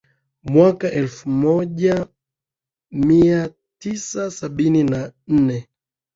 Mwaka wa elfu moja mia tisa sabini na nne